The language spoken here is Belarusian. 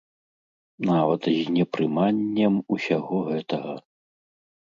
Нават з непрыманнем усяго гэтага.